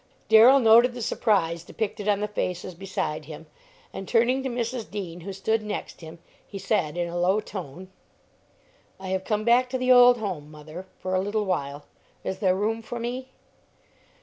Darrell noted the surprise depicted on the faces beside him, and, turning to Mrs. Dean, who stood next him, he said, in a low tone, "I have come back to the old home, mother, for a little while; is there room for me?"